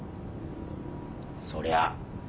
そりゃ